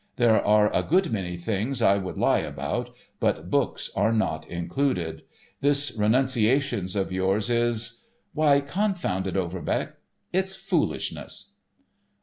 There are a good many things I would lie about, but books are not included. This 'Renunciations' of yours is—is, why, confound it, Overbeck, it's foolishness."